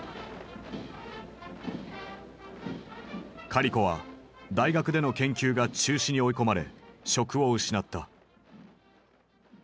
カリコは大学での研究が中止に追い込まれ職を失った。